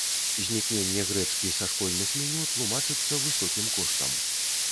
Знікненне грэчкі са школьных меню тлумачыцца высокім коштам.